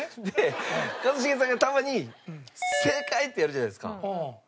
で一茂さんがたまに「正解！」ってやるじゃないですか。